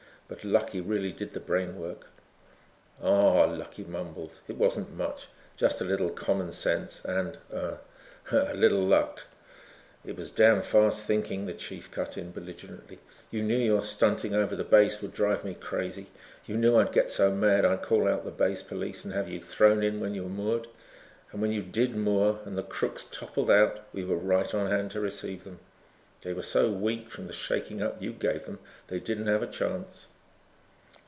But Lucky really did the brainwork." "Awww," Lucky mumbled, "it wasn't much. Just a little common sense and, uh, a little luck." "It was damn fast thinking," the chief cut in belligerently, "you knew your stunting over the base would drive me crazy. You knew I'd get so mad I'd call out the base police and have you thrown in when you moored. And when you did moor and the crooks toppled out we were right on hand to receive them. They were so weak from the shaking up you gave them that they didn't have a chance."